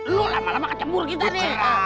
lo lama lama kecebur kita nek